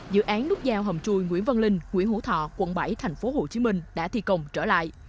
dự án nút giao hầm chui nguyễn văn linh nguyễn hữu thọ quận bảy tp hcm đã thi công trở lại